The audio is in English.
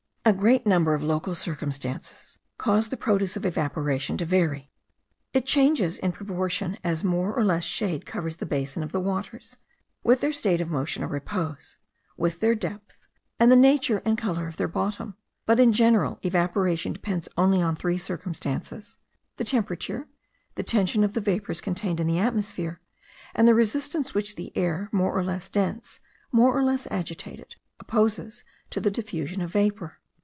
A great number of local circumstances cause the produce of evaporation to vary; it changes in proportion as more or less shade covers the basin of the waters, with their state of motion or repose, with their depth, and the nature and colour of their bottom; but in general evaporation depends only on three circumstances, the temperature, the tension of the vapours contained in the atmosphere, and the resistance which the air, more or less dense, more or less agitated, opposes to the diffusion of vapour.